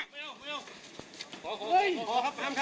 พร้อมเข้าเลยครับพร้อมเข้าครับ